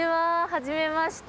はじめまして。